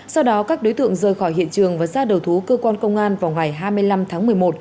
sau đó các đối tượng rời khỏi hiện trường và ra đầu thú cơ quan công an vào ngày hai mươi năm tháng một mươi một